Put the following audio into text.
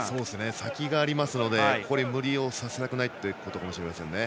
先がありますので無理させたくないということかもしれませんね。